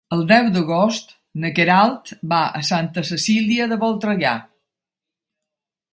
El deu d'agost na Queralt va a Santa Cecília de Voltregà.